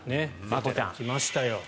来ましたよ。